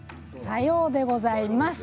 さようでございます。